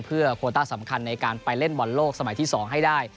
เพื่อโคต้าสำคัญในการไปเล่นบอลโลกสมัยที่๒ให้ได้